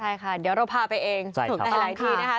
ใช่ค่ะเดี๋ยวเราพาไปเองถูกต้องค่ะ